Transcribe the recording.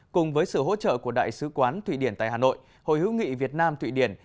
cùng với sự hỗ trợ của đại sứ quán thụy điển tại hà nội hội hữu nghị việt nam thụy điển